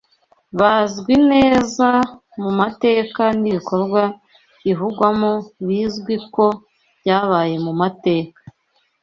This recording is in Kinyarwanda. bazwi neza mu mateka n’ibikorwa bivugwamo bizwi ko byabaye mu mateka